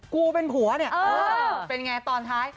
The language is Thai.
กูเป็นผัวเนี่ยเป็นไงตอนท้าย